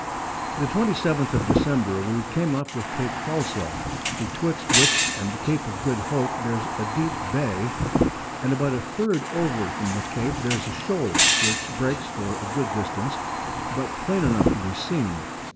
] The 27th of December, we came up with Cape Falso, betwixt which and the Cape of Good Hope, there's a deep Bay, and about a 3d over from the Cape, there's a Shold which breaks for a good Distance, but plain enough to be seen.